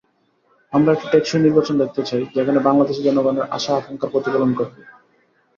আমরা একটি টেকসই নির্বাচন দেখতে চাই, যেখানে বাংলাদেশের জনগণের আশা-আকাঙ্ক্ষার প্রতিফলন ঘটবে।